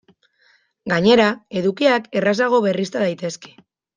Gainera, edukiak errazago berrizta daitezke.